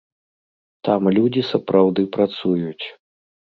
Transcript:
Там людзі сапраўды працуюць.